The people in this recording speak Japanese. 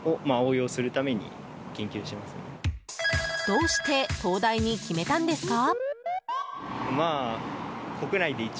どうして東大に決めたんですか？